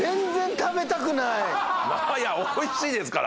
いや美味しいですから！